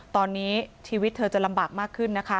ตอนนี้ชีวิตเธอจะลำบากมากขึ้นนะคะ